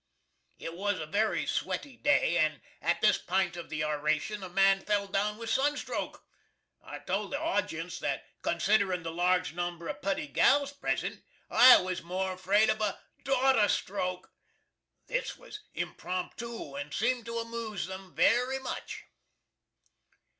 [It was a very sweaty day, and at this pint of the orashun a man fell down with sunstroke. I told the awjince that considerin the large number of putty gals present I was more afraid of a DAWTER STROKE. This was impromptoo, and seemed to amoose them very much.